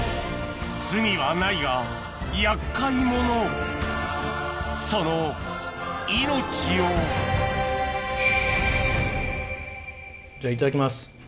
罪はないが厄介者その命をじゃあいただきます。